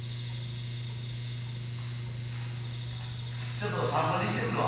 ちょっと散歩に行ってくるわ。